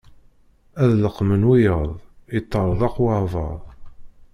Ad d-leqqmen wiyaḍ, yeṭerḍeq waɛbaṛ.